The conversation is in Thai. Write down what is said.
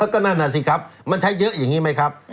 ก็นั่นน่ะสิครับมันใช้เยอะอย่างนี้ไหมครับ